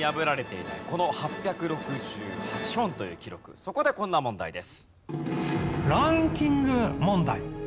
そこでこんな問題です。